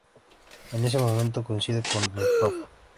En ese momento coincide con el Prof.